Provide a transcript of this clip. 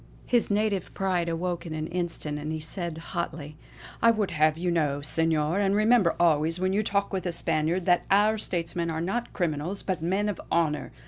'" His native pride awoke in an instant for he said hotly: "I would have you know, Senor, and remember always when you talk with a Spaniard, that our statesmen are not criminals, but men of honour."